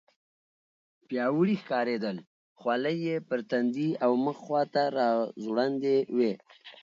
پیاوړي ښکارېدل، خولۍ یې پر تندي او مخ خواته راځوړندې وې.